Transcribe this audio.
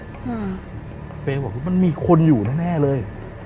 เจ้าเป๊บอกว่ามันมีคนอยู่แน่เลย